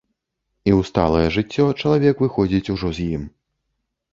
І ў сталае жыццё чалавек выходзіць ужо з ім.